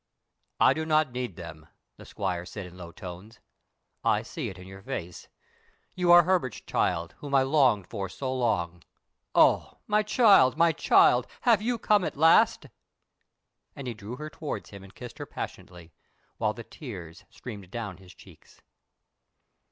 "I do not need them," the squire said in low tones, "I see it in your face. You are Herbert's child, whom I looked for so long. Oh! my child! my child! have you come at last?" and he drew her towards him and kissed her passionately, while the tears streamed down his cheeks.